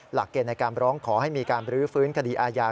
หลักเกณฑ์ในการร้องขอให้มีการบรื้อฟื้นคดีอาญา